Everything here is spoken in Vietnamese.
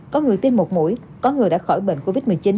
có người tiêm một mũi có người đã khỏi bệnh covid một mươi chín